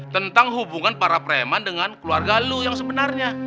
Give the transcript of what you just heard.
tentang hubungan para preman dengan keluarga lo yang sebenarnya